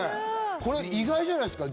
これ意外じゃないですか？